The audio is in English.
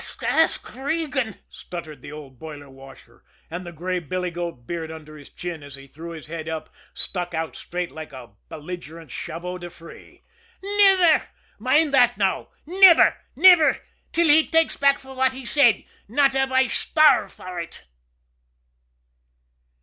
"Ask Regan!" stuttered the old boiler washer, and the gray billy goat beard under his chin, as he threw his head up, stuck out straight like a belligerent chevaux de frise. "Niver! Mind thot, now! Niver till he takes back fwhat he said not av I starrve for ut!"